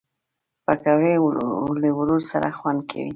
پکورې له ورور سره خوند کوي